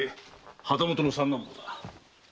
旗本の三男坊だ。